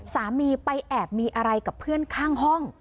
สามีไปแอบมีอะไรกับเพื่อนข้างห้อง